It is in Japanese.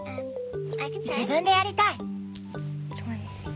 自分でやりたい。